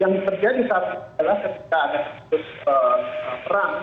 yang terjadi adalah ketika ada keputusan perang